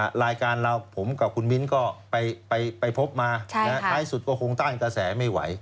รายการเราผมกับคุณมิ้นก็ไปพบมาท้ายสุดก็คงต้านกระแสไม่ไหว